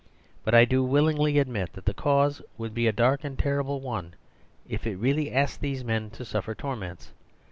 But I do willingly ad mit that the cause would be a dark and ter rible one, if it really asked these men to suf fer torments.